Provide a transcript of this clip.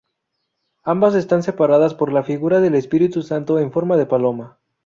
Ambas están separadas por la figura del Espíritu Santo en forma de paloma.